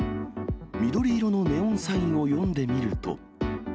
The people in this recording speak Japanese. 緑色のネオンサインを読んでみると。